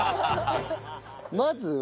まずは？